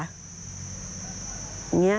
อย่างนี้ค่ะ